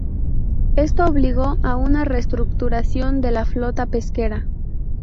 Esto obligó a una reestructuración de la flota pesquera.